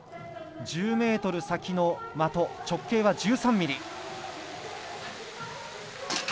１０ｍ先の的、直径は１３ｍｍ。